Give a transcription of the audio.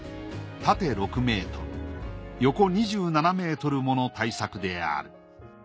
縦６ｍ横２７ｍもの大作である。